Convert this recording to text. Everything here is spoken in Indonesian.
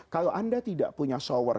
kalau anda tidak punya shower